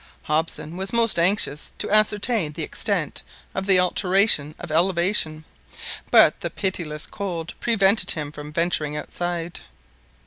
Hobson was most anxious to ascertain the extent of the alteration of elevation, but the pitiless cold prevented him from venturing outside.